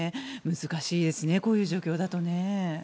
難しいですねこういう状況だとね。